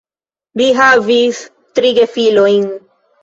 Li havis tri gefilojn.